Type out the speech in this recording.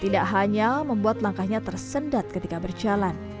tidak hanya membuat langkahnya tersendat ketika berjalan